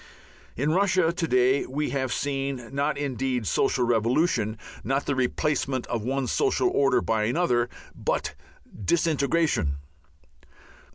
In Russia to day we have seen, not indeed social revolution, not the replacement of one social order by another, but disintegration.